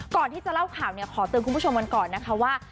ก่อนที่จะเล่าข่าวขอเติมคุณผู้ชมก่อนนะคะว่า